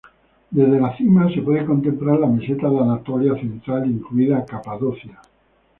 Desde la cima, se puede contemplar la meseta de Anatolia central, incluida Capadocia.